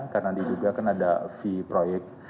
karena diduga kan ada fee proyek